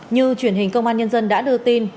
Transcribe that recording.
như truyền hình công an nhân dân đã đưa tin